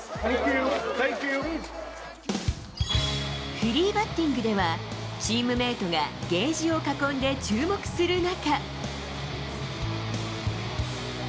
フリーバッティングでは、チームメートがゲージを囲んで注目する中。